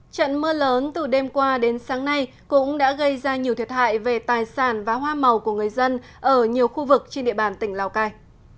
trận mưa lớn từ đêm qua đến sáng nay cũng đã gây ra nhiều thiệt hại về tài sản và hoa màu của người dân ở nhiều khu vực trên địa bàn tỉnh lào cai